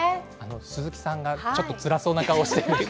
鈴木さんが、ちょっとつらそうな顔をしています。